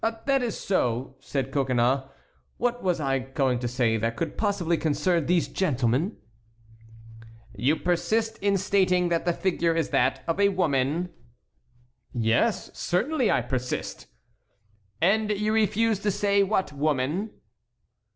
"That is so," said Coconnas, "what was I going to say that could possibly concern these gentlemen?" "You persist in stating that the figure is that of a woman?" "Yes; certainly I persist." "And you refuse to say what woman?"